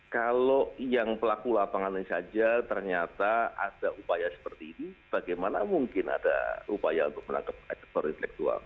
kalau yang pelaku lapangannya saja ternyata ada upaya seperti ini bagaimana mungkin ada upaya untuk menangkap aktor intelektual